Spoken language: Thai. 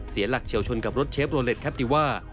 เสียหลักเฉียวชนกับรถเชฟโรเล็ตแคปติว่า